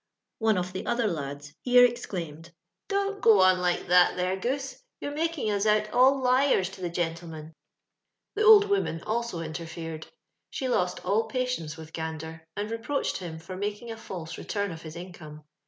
One of the other lads hero exclaimed, " Don't go on like that there. Goose ; you're making us out all liars to the gentleman." The old woman also interfered. She lost all patience with Gander, and reproached him for making a false return of his income.